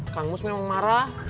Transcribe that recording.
kang gus memang marah